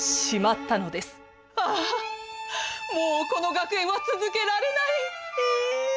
『あもうこの学園は続けられない』。